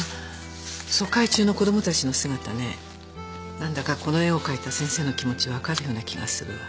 何だかこの絵を描いた先生の気持ち分かるような気がするわ。